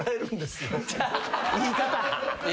言い方！